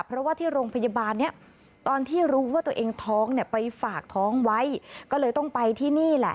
เพราะว่าที่โรงพยาบาลเนี่ยตอนที่รู้ว่าตัวเองท้องเนี่ยไปฝากท้องไว้ก็เลยต้องไปที่นี่แหละ